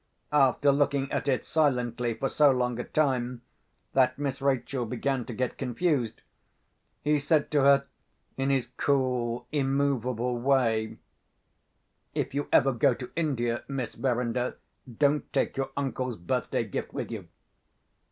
After looking at it silently for so long a time that Miss Rachel began to get confused, he said to her in his cool immovable way, "If you ever go to India, Miss Verinder, don't take your uncle's birthday gift with you.